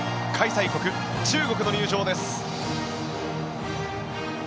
開催国・中国の入場です。